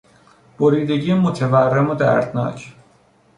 بریدگی متورم و دردناک